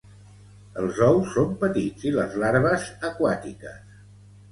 Els ous són petits i les larves aquàtiques.